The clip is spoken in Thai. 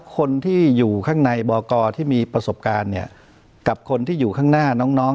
คนที่อยู่ข้างในบกที่มีประสบการณ์เนี่ยกับคนที่อยู่ข้างหน้าน้อง